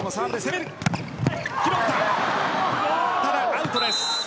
アウトです。